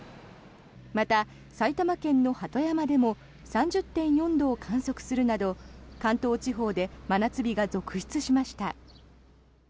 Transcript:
また、埼玉県の鳩山でも３０．４度を観測するなど関東地方で真夏日が続出しました。